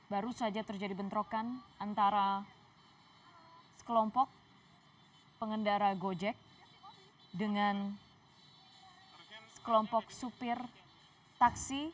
baru saja terjadi bentrokan antara sekelompok pengendara gojek dengan sekelompok supir taksi